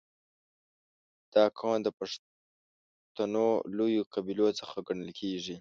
• دا قوم د پښتنو لویو قبیلو څخه ګڼل کېږي.